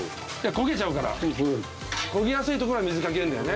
焦げちゃうから焦げやすいところは水かけるんだよね